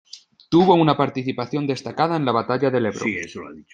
Tuvo una participación destacada en la batalla del Ebro.